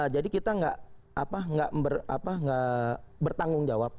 jadi kita nggak bertanggung jawab